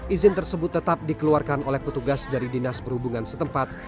izin tersebut tetap dikeluarkan oleh petugas dari dinas perhubungan setempat